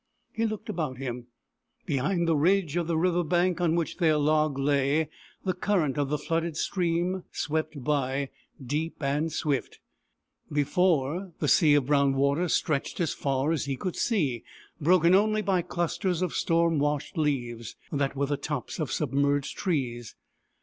He looked about him. Behind the ridge of the river bank, on which their log lay, the current of the flooded stream swept by, deep and swift. Be fore, the sea of brown water stretched as far as he could see, broken only by clusters of storm washed leaves, that were the tops of submerged trees.